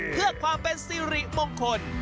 เพื่อความเป็นสิริมงคล